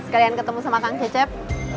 sekalian ketemu sama kang cecep